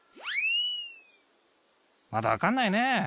まだわかんないね。